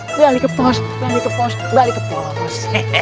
kembali ke pos kembali ke pos kembali ke pos